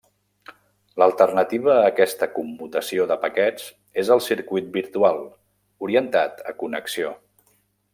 L'alternativa a aquesta commutació de paquets és el circuit virtual, orientat a connexió.